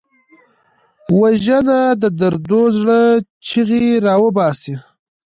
وژنه د دردو زړه چیغې راوباسي